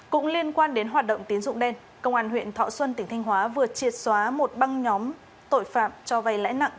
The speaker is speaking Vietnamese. cũng liên quan đến hoạt động tín dụng đen công an huyện thọ xuân tỉnh thanh hóa vừa triệt xóa một băng nhóm tội phạm cho vay lãi nặng